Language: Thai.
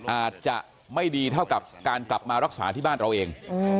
อาจจะไม่ดีเท่ากับการกลับมารักษาที่บ้านเราเอง